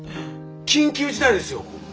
緊急事態ですよ！